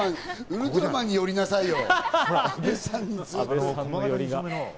ウルトラマンに寄りなさいよ。